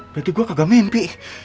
berarti gua kagak mimpi